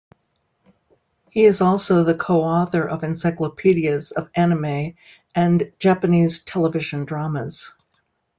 He is also the co-author of encyclopedias of anime and Japanese television dramas.